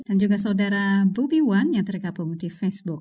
dan juga saudara bubi wan yang tergabung di facebook